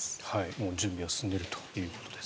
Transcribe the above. もう準備は進んでいるということです。